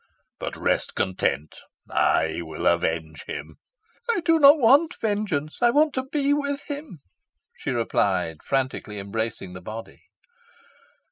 But, rest content, I will avenge him." "I do not want vengeance I want to be with him," she replied, frantically embracing the body.